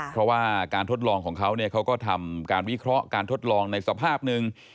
เพราะว่าการทดลองของเขาเนี่ยเขาก็ทำการวิเคราะห์การทดลองในสภาพหนึ่ง